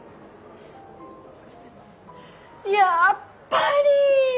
やっぱり！